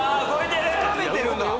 つかめてるんだ